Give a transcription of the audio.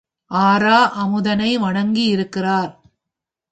ஆரா அமுதனை வணங்கியிருக்கிறார்.